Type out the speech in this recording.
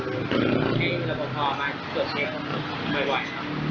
ใช้รับประทอมาตรวจเช็คบ่อย